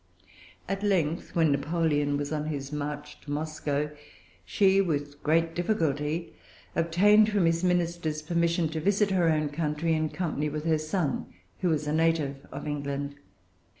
At length, when Napoleon was on his march to Moscow, she with great difficulty obtained from his ministers permission to visit her own country, in company with her son, who was a native of England.